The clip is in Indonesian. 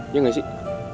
iya gak sih